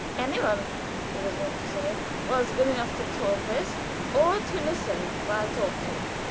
Any one, he was wont to say, was good enough to talk with, or to listen while talked to.